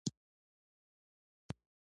یاقوت د افغان تاریخ په کتابونو کې ذکر شوی دي.